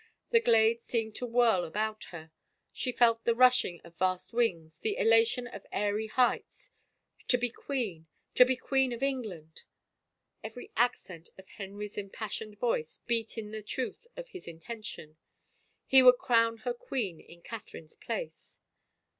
The glade seemed to whirl about her. She felt the rushing of vast wings, the elation of airy heights. To be queen — to be Queen of Eng land! Every accent of Henry's impassioned voice beat in the truth of his intention. He would crown her queen in Catherine's place!